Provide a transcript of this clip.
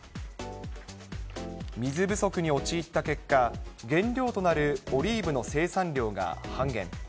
水不足に陥った結果、原料となるオリーブの生産量が半減。